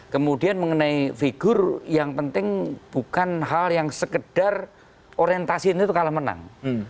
kemudian mengenai figur yang penting bukan hal yang sekedar orientasi ini itu kalah menang